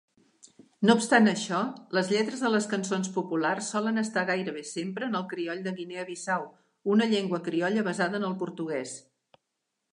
No obstant això, les lletres de les cançons populars solen estar gairebé sempre en el crioll de Guinea-Bissau, una llengua criolla basada en el portuguès.